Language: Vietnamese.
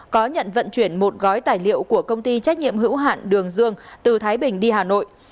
có nhận vận chuyển một gói tài liệu của công ty trách nhiệm hữu hạn đường dương từ thái bình đi hà nội